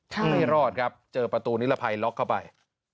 ไม่รอดครับเจอประตูนิรภัยล็อกเข้าไป